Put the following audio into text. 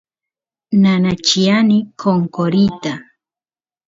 nanachiani qonqoriyta